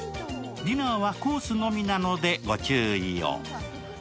ディナーはコースのみなので、ご注意を。